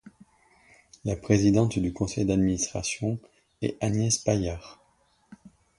La présidente du conseil d'administration est Agnès Paillard.